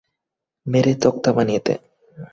মেরে তক্তা বানিয়ে দে!